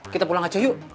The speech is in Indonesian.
kita pulang aja yuk